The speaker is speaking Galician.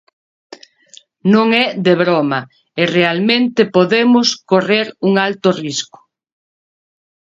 Non é de broma e realmente podemos correr un alto risco.